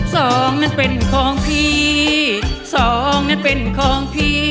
สองนั้นเป็นของพี่สองนั้นเป็นของพี่